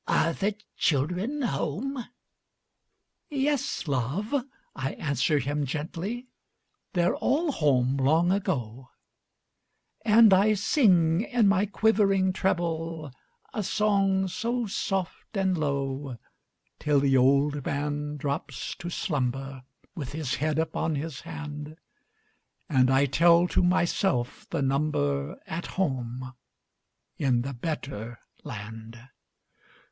are the children home?" "Yes, love!" I answer him gently, "They're all home long ago;" And I sing, in my quivering treble, A song so soft and low, Till the old man drops to slumber, With his head upon his hand, And I tell to myself the number At home in the better land.